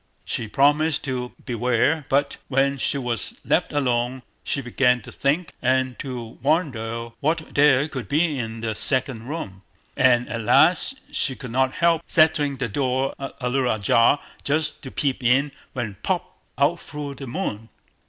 She promised to beware; but when she was left alone, she began to think and to wonder what there could be in the second room, and at last she could not help setting the door a little ajar, just to peep in, when—POP! out flew the Moon.